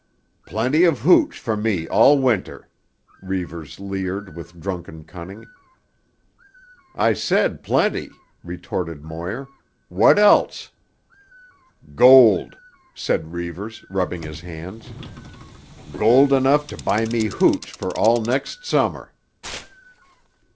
"Plenty of hooch for me all Winter," Reivers leered with drunken cunning. "I said plenty," retorted Moir. "What else?" "Gold," said Reivers, rubbing his hands. "Gold enough to buy me hooch for all next Summer."